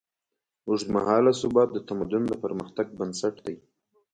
اوږدمهاله ثبات د تمدن د پرمختګ بنسټ دی.